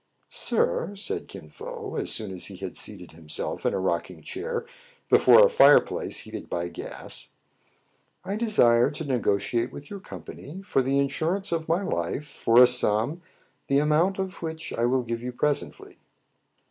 "Sir," said Kin Fo, as soon as he had seated himself in a rocking chair before a fireplace heated by gas, " I desire to negotiate with your company THE OFFICES OF THE ''CENTENARY,'' 6 1 for the insurance of my life for a sum, the amount of which I will give you presently."